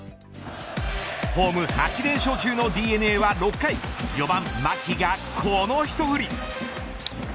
ホーム８連勝中のＤｅＮＡは６回４番、牧がこの一振り。